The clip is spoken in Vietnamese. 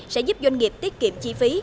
sẽ giúp doanh nghiệp tiết kiệm chi phí